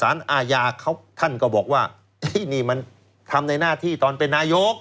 อาญาเขาท่านก็บอกว่านี่มันทำในหน้าที่ตอนเป็นนายก